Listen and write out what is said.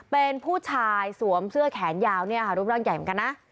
เป็นผู้ชายสวมเสื้อแขนยาวเนี่ยค่ะรูปร่างใหญ่เหมือนกันนะ